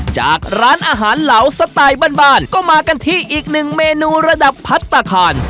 จากร้านอาหารเหลาสไตล์บ้านก็มากันที่อีกหนึ่งเมนูระดับพัฒนาคาร